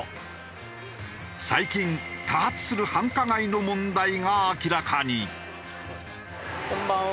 最近多発する繁華街の問題が明らかに。